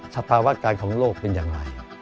สภาวะการของโลกเป็นอย่างไร